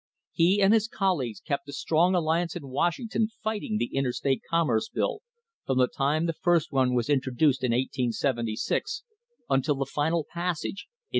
He and his colleagues kept a strong alliance in Washington fighting the Interstate Com merce Bill from the time the first one was introduced in 1876 until the final passage in 1887.